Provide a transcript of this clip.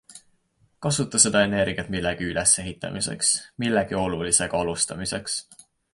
Kasuta seda energiat millegi ülesehitamiseks, millegi olulisega alustamiseks.